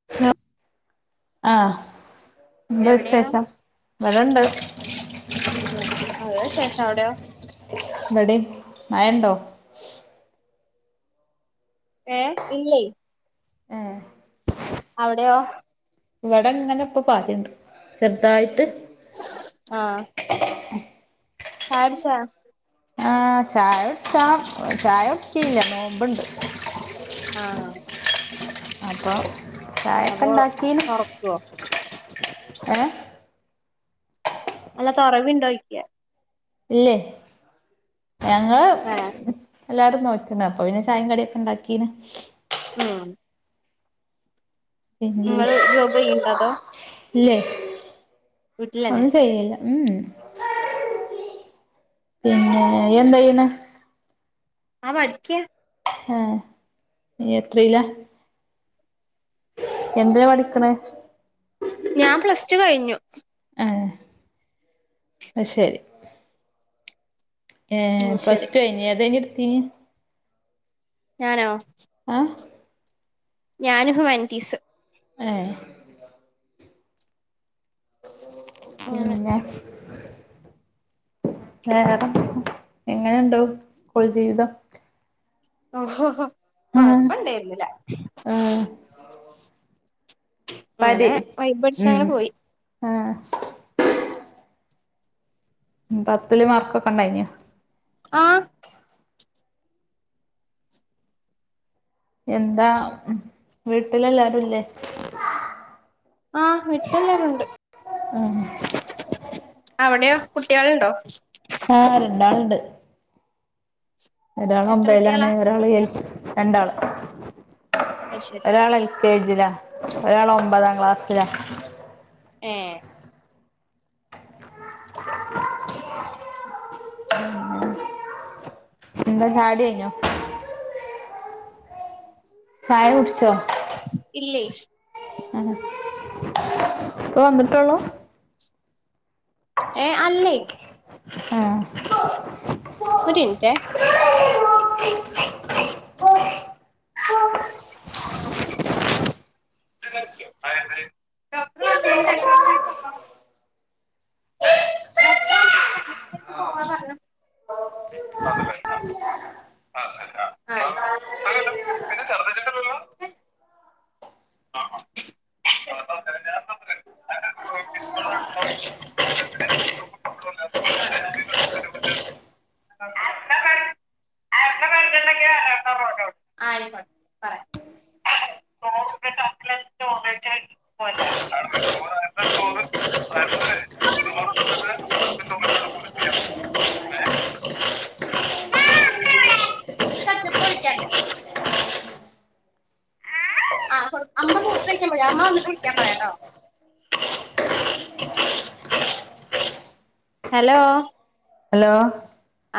[unintelligible] ആഹ എന്താ എവിടെയാ വിശേഷം ഇവടണ്ട് ഉ നല്ലശേഷം അവിടെയോ? ഇവടിം മഴ ഉണ്ടോ? ഏ ഇല്ലേ ഏഹ് അവിടെയോ? ഇവിടെ ഇങ്ങനെ ഇപ്പ പാറ്റ്ണ്ട് ചെറുതായിട്ട് ആഹ ചായകുടിച്ച ആഹ ചായടിച ചായ കുടിച്ചില്ല നോമ്പുണ്ട് ആഹ അപ്പോ അപ്പൊ ചായക്കണ്ടാക്കീണ് തൊറക്കുവോ ഏ അല്ല തൊറവണ്ടോയിക്ക ഇല്ലേ ഞങ്ങള് ആഹ എല്ലാരും നോറ്റിണ് അപ്പം പിന്നെ ചായെം കടിയൊക്ക ഉണ്ടാക്കീന് മ്മ് പിന്നെ നിങ്ങള് ജോബ് ചെയ്യ്ണ്ടോ അതോ ഇല്ലേ വീട്ടിലന്നെ ഒന്നും ചെയ്ല്ല ഉഹ് പിന്നെ ഇയെന്താ ചെയ്ണ? ആ പഠിക്ക ഏഹ നീ എത്രയിലാ? എന്തിനാ പഠിക്കണേ ഞാൻ പ്ലസ് റ്റു കഴിഞ്ഞു ഏഹ് അത് ശരി ഏ ഉം ശരി പ്ലാസ്ടു കഴിഞ്ഞ ഏതാഞ്ഞീ എടുത്തിനി ഞാനോ ആഹ ഞാന് ഹ്യുമാനിറ്റീസ് ഏഹ് അങ്ങനെ പിന്നെ വേറെ എങ്ങെനണ്ട് സ്കൂൾ ജീവിതം ഒഹൊഹോ ആഹ് കൊഴപ്പണ്ടേര്ന്നിലാ പഠി അങ്ങനെ വൈബടിച്ച് ഉം അങ്ങനെ പോയി ആഹ് പത്ത്ൽ മാർക്കൊക്കെണ്ടായ്ന്യോ? ആഹ് എന്താ വീട്ട്ലെല്ലാരുല്ലേ ആഹ് വീട്ട്ലെല്ലാരുണ്ട് ആഹ് അവിടെയോ കുട്ട്യാള്ണ്ടോ? ആഹ് രണ്ടാള്ണ്ട് ഒരാൾ എത്ര ഒമ്പേലാണ് കുട്ടികളാ ഒരാള് എസ് രണ്ടാൾ അയ്ശെരി ഒരാള് എൽ കേജ്ലാ ഒരാളൊമ്പതാം ക്ലാസ്സിലാ ഏഹ് എന്താ ചായൊട്യയ്ഞ്ഞോ? ചായ കുടിച്ചോ ഇല്ലേയ് ആഹ് ഇപ്പൊ വന്നിട്ടൊള്ളൂ ഏഹ് അല്ലേ ആഹ് ഒരിൻറ്റേ [unintelligible] ഏഹ് [unintelligible] പോവാ പറ്ഞ്ഞു അതെലേ ആഹ് ആഹ് ശെരി ആ [unintelligible] പിന്നെ ചർദിച്ചിട്ടൊന്നുല്ലല്ലൊ ആ [unintelligible] പിന്നെ ഇതിലേ നിന്ന് നമുക്ക് കിട്ടുമല്ലോ. അതിനെ പറ്റി- ആയിക്കോട്ടെ ടാസ്കിലെ സ്റ്റോറേജ്ലെ പോലെ കാരണം ചോറ് അണ്ണൻ ചോറ് അണ്ണന് ചോറ് തിന്നിട്ട് അണക്ക് ചോറിനോട് കുറിപ്പിക്കാം ചാക്കോ പ്പൊവിളിക്കാൻ ആഹ് അമ്മ മൂത്രഴിക്കാൻ പോയി അമ്മ വന്നിട്ട് വിള്ക്കാൻ പറയാട്ടോ. ഹലോ ഹലോ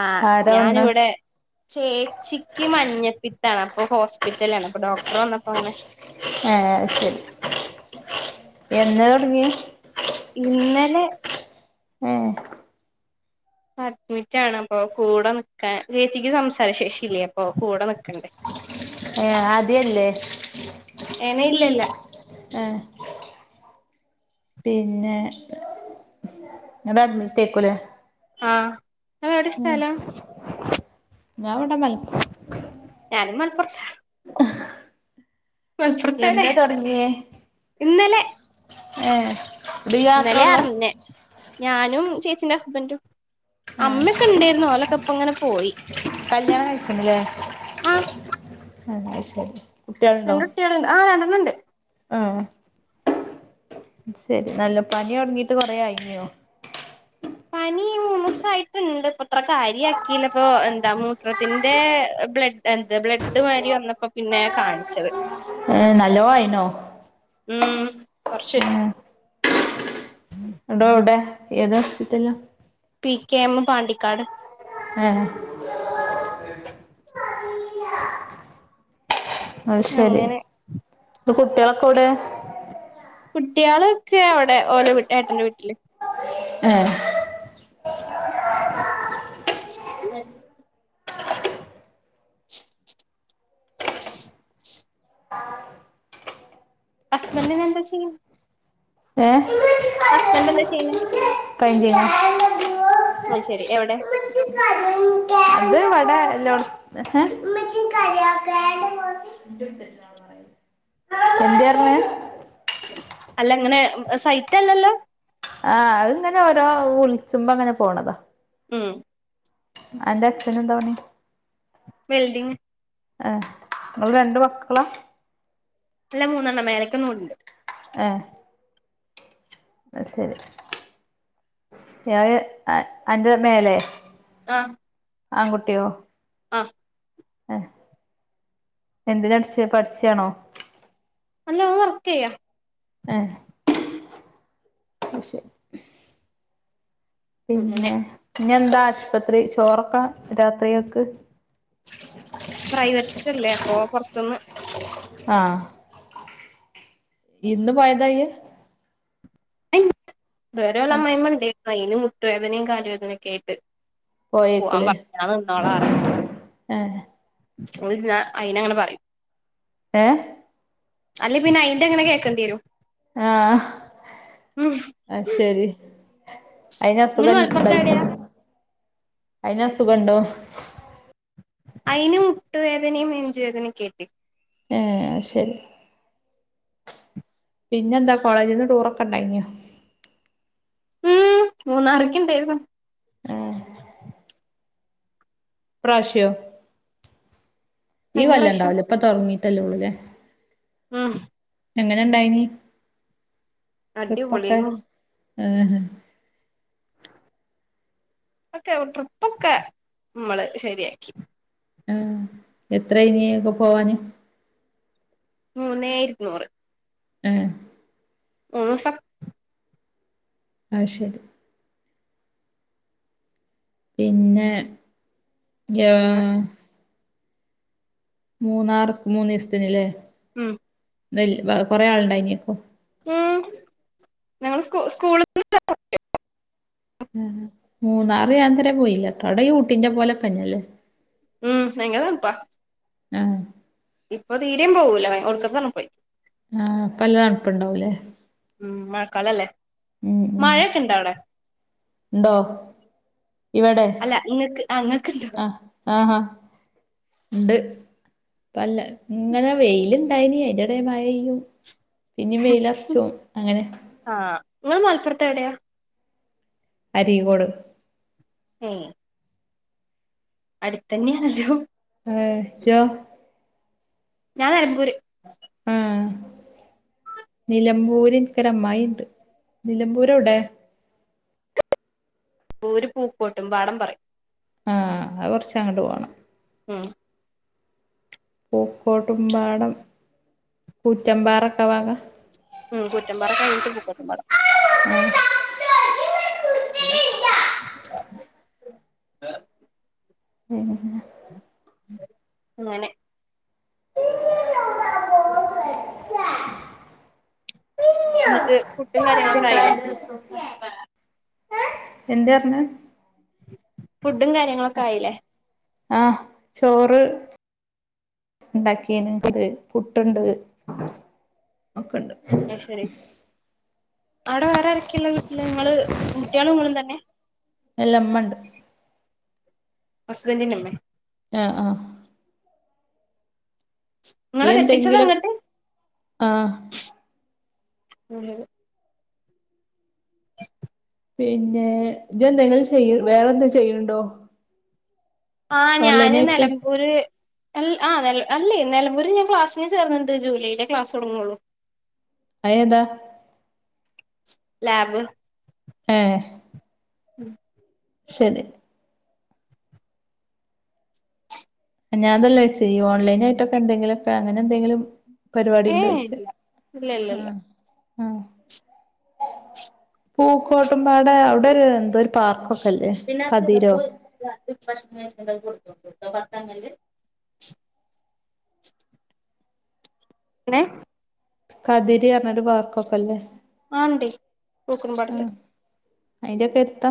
ആഹ് ആരാ വന്ന് ഞാനിവ്ടെ ചേച്ചിക്ക് മഞ്ഞപ്പിത്താണ് അപ്പൊ ഹോസ്പിറ്റലാണ് അപ്പൊ ഡോക്ടർ വന്നപ്പൊങ്ങനെ ഏഹ് അയ്ശെരി എന്നാ തൊടങ്ങ്യേ ഇന്നലെ ഏഹ് അഡ്മിറ്റാണ് അപ്പൊ കൂടെ നിക്കാൻ ചേച്ചിക്ക് സംസാര ശേഷില്ല്യപ്പൊ കൂടെ നിക്കണ്ടേ ഏഹ് അദ്യല്ലേ ഏ ഇല്ല്യല്ലാ ഏഹ് പിന്നെ ങ്ങളഡ്മീറ്റായിക്കുലേ ആഹ് ങ്ങളെവ്ടെ സ്ഥലം ഞാവടെ മല ഞാനും മല്പ്പൊറ്ത്താ മല്പൊറ്ത്തന്നെ എന്നേ തുടങ്ങിയേ ഇന്നലെ ഏഹ് ന്നലെ അറിഞ്ഞെ ഞാനും ചേച്ചിന്റെ ഹസ്ബന്റും ആ അമ്മക്കെ ഇണ്ടായിരുന്നു ഓലക്കെ ഇപ്പ ഇങ്ങനെ പോയി കല്ല്യാണം കഴിച്ചാണില്ലേ ആഹ് ആ ശരി കുട്ടികളുണ്ടോ ട്ടികളുണ്ട് ആ രണ്ടണ്ണണ്ട് ആഹ് ശരി നല്ല പനി തൊടങ്ങീട്ട് കൊറേ ആയില്ലിയൊ പനിയും കൊറച്ചൂസായിട്ട്ണ്ട് പത്ര കാര്യാക്കിയില്ലപ്പൊ എന്താ മൂത്രത്തിന്റെ ബ്ലഡ് എന്ത് ബ്ലഡ് മാതിരി വന്നപ്പൊ പിന്നെ കാണിച്ചത് ഏ നല്ലോ ആയിനോ ഉം കൊറച്ച് ഏ എടോ എവിടെ ഏത് ഹോസ്പിറ്റലിൽ ആ പി കെ എം പാണ്ടിക്കാട് ഏ അത് ശെരി അങ്ങനെ ഇപ്പ കുട്ട്യാളൊക്കെവടെ കുട്ട്യാളൊക്കെവടെ ഓലെ ഏട്ടന്റെ വീട്ടില് ഏ [inaudible] [unintelligible] [inaudible] ഹസ്ബന്റ് നെന്താ ചെയ്യ് ഏ ഹസ്ബന്റെന്താ ചെയ്യ്ണേ [unintelligible] അത് ശെരി എവടെ ത് ഇവടെ എല്ലോ എന്ത്യേ പർഞ് അല്ല ഇങ്ങനെ സൈറ്റല്ലല്ലോ ആ അത്ങ്ങനെ ഓരോ വിളിച്ചുമ്പങ്ങനെ പോണതാ ഉം അന്റെ അച്ഛനെന്താ പണി വെൽഡിങ് എ ങ്ങള് രണ്ട് മക്കളാ അല്ല മൂന്നെണ്ണം മേലക്കൊന്നൂടിണ്ട് ഏ അത് ശെരി ഞാന് അന്റെ മേലെ ആഹ് ആൺകുട്ട്യോ ആഹ് എന്തിന് പഠിച്ചാ പഠിച്ചാണോ അല്ല ഓൻ വർക്കെയ്യ എഹ് അത് ശെരി അങ്ങനെ പിന്നെ ഇനി എന്താ ആശ്പത്രി ചോറൊക്കെ രാത്രിക്കേക്ക് പ്രൈവറ്റ് അല്ലേ അപ്പൊ പൊർത്ത്ന്ന് ആ ഇന്ന് പോയതാ ഇയ്യ് [unintelligible] ഇത് വെരെ ഓലെ ആഹ് അമ്മായിമ്മണ്ടേര്ന്നു അയിന് മുട്ടുവേദനയും കാല് വേദനൊക്കായിട്ട് പോയേക്കൂലേ ആ അത് ഇര്ന്ന അയിനങ്ങനെ പറയും ഏ അല്ലേ പിന്നെ അയ്ന്റെങ്ങനെ കേക്കണ്ടി വെരും ആഹ് അത് ശെരി അയിന് ഇങ്ങള് അസുഖം ഇൽ മലപ്പുറത്ത് ഇണ്ടായിക്ക്‌ണൊ എവിടെയാ അയിന് അസുഖണ്ടോ അയിന് മുട്ടുവേദനയും നെഞ്ചുവേദനയും ക്കേണ് ഏ അത് ശെരി പിന്നെന്താ കോളേജ്ന്ന് ടൂറൊക്കെ ണ്ടായിനോ ഉം മൂന്നാറ്ക്ക് ഇണ്ടായിരുന്നു ഏഹ് ഇപ്രാവിശ്യോ ഈ കഴിഞ്ഞ കൊല്ലം പ്രാവശ്യം ഇണ്ടാവൂല ഇപ്പൊ തൊടങ്ങീട്ടല്ലേ ഒള്ളുലെ ഉം എങ്ങനെ ഇണ്ടായിനി ട്രിപ്പൊക്കെ അടിപൊളിയേന്നു ആഹ് ഒക്കെ ട്രിപ്പൊക്കെ മ്മള് ശെരിയാക്കി ആഹ് എത്ര ആയിനി ഇങ്ങക്ക് പോവാന്? മൂന്നേ ഇരുനൂറ് ഏഹ് ഉം അഹ് ശെരി പിന്നെ അങ്ങനെ [unintelligible] മൂന്നാർ മൂന്നീസ്ത്തിന്ലെ ഉം നെൽ വ കൊറെ ആള് ഇണ്ടായിനോ? ഉം ഞങ്ങള് സ്കൂ സ്കൂള് [unintelligible] ഹാ ഹാ മൂന്നാറ് ഞാന് ഇത് വരെ പോയിട്ടില്ലട്ടോ അവിടെ ഈ ഊട്ടിന്റെ പോലെ തന്നെ അല്ലേ ഉം ഭയങ്കര തൺപ്പാ ആഹ് ഇപ്പ തീരിം പോകൂല ഭയ ഒടുക്കത്തെ തണുപ്പായി ആഹ് ഇപ്പം നല്ല തൺപ്പ് ഇണ്ടാവുല്ലേ? ഉം മഴക്കാലല്ലേ ഉം ഉം മഴയൊക്കെ ഇണ്ടോ അവിടെ ഇണ്ടോ ഇവടെ അല്ല ഇങ്ങക്ക് ആ ഇങ്ങക്ക്ണ്ടോ അഹ് ആഹ് ആഹ് ഇണ്ട് ഇപ്പല്ല ഇങ്ങനെ വെയില് ഇണ്ടായിനി അയ്ന്റെ എടില് മഴയ്യും പിന്നിം വെയില് എർച്ചും അങ്ങനെ ആഹ് ഇങ്ങള് മലപ്പുറത്ത് എവിടെ? അരീക്കോട് ഉം അടുത്തന്നെണല്ലോ ഹേ ഇജ്ജോ ഞാൻ നെലമ്പൂര് ആഹ് നിലമ്പൂര് ഇൻക്ക് ഒരു അമ്മായി ഇണ്ട് നിലമ്പൂര് എവ്ടെ? മ്പൂര് പൂക്കോട്ടും പാടം പറിം ആഹ് അത് കൊർച്ച് അങ്ങട്ട് പോണം ഉം പൂക്കോട്ടുംമ്പാടം പുറ്റംമ്പാറക്കെ ഭാഗാ ഉം കുറ്റമ്പാറ കഴിഞ്ഞിട്ട് പൂക്കോട്ടുംപാടം ആഹ് [inaudible] [inaudible] [inaudible] ഇന്നട്ട് ഫുഡും കാര്യങ്ങളൊക്കെ ആയോ? [unintelligible] [unintelligible] എന്തേ അർഞ്ഞേ ഫുഡും കാര്യങ്ങളൊക്കെ ആയില്ലേ ആഹ് ചോറ് ഉണ്ടാക്കിയന്ത് പുട്ടുണ്ട് ഒക്കെണ്ട് അഅ്ശരി ആടെ വേറെരക്കെയുളള വീട്ടില് നിങ്ങള് കുട്ടികളും നിങ്ങളും തന്നെ എല്ലമ്മ ഉണ്ട് ഹസ്ബന്റിന്റെ ഇമ്മേ ആഹ് ആഹ് ഇങ്ങളെ ഇയ്യ് കെട്ടിച്ചത് എന്തെങ്കിലും അങ്ങട്ട് ആഹ് പിന്നെ ഇജ്ജ് എന്തെങ്കിലും ചെയ്യ് വേറെ എന്തെ ചെയ്ണ്ടോ ആഹ് ഞാന് നില ഒരു ആ അല്ലേ നെലമ്പൂര് ഞാൻ ക്ലാസ്സന് ചേർന്നിണ്ട് ജൂലൈയിലെ ക്ലാസ് തുടങ്ങുള്ളൂ അയ് ഏതാ ലാബ് ആഹ് ഉം ശരി ഞാതല്ല ചെയ് ഓൺലെൻആയിട്ടൊക്കെ എന്തെങ്കിലൊക്കെ അങ്ങനെ എന്തെങ്കിലും പരിപാടി ഉണ്ട് ഏഹ് വെച്ച് ഇല്ല ഇല്ല ഇല്ല ഇല്ല ഉം ആഹ് പൂക്കോട്ട്പാടെ അവിടെരു അവിടെ എന്തോരു [unintelligible] ഏ കതിര് പറഞ്ഞ ഒരു വാക്ക്ക്കെല്ലേ ആൻടി പൂക്കുപാടത്ത് അയിന്റെ ഒക്കെ എരുത്താ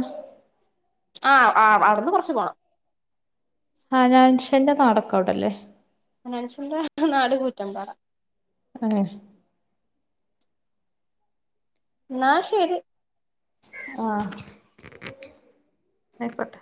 ആഹ് ആ അവിടെന്ന് കുറച്ച് പോണം ആഹ് ഹനാൻഷെൻന്റെ നാടക്ക് അവിടെല്ലേ ഹനഷന്റെ നാട് കൂറ്റമ്പാറെ ആഹ് എന്നാ ശെരി ആഹ് ആയിക്കൊട്ടെ